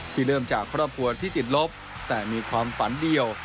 เริ่มจากครอบครัวที่ติดลบแต่มีความฝันเดียว